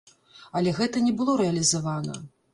Але гэта не было рэалізавана.